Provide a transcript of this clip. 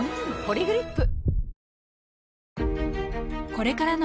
「ポリグリップ」